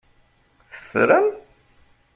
Teffrem?